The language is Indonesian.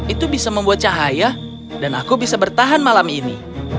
itu bisa membuat cahaya dan aku bisa bertahan malam ini